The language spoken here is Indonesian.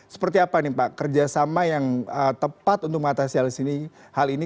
seperti apa nih pak kerjasama yang tepat untuk mengatasi hal ini